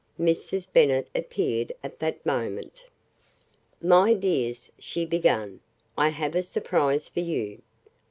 Mrs. Bennet appeared at that moment. "My dears," she began, "I have a surprise for you.